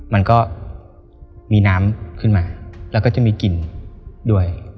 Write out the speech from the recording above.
มันก็มีน้ำขึ้นมาแล้วก็จะมีกลิ่นด้วย